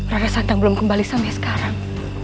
rara santang belum kembali sampai sekarang